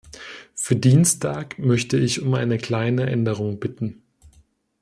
Für Dienstag möchte ich um eine kleine Änderung bitten.